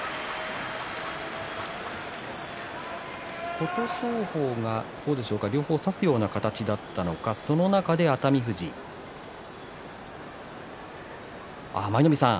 琴勝峰は両方差すような形だったのか、その中で熱海富士舞の海さん